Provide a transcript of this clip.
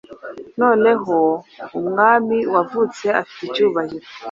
Noneho umwami wavutse afite icyubahiro